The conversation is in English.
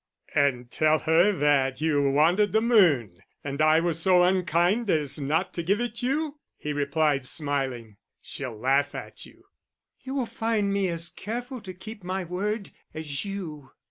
"And tell her that you wanted the moon, and I was so unkind as not to give it you?" he replied, smiling. "She'll laugh at you." "You will find me as careful to keep my word as you."